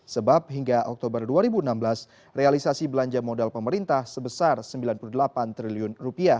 sebab hingga oktober dua ribu enam belas realisasi belanja modal pemerintah sebesar rp sembilan puluh delapan triliun